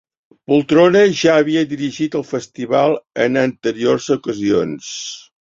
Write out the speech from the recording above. Poltrona ja havia dirigit el festival en anteriors ocasions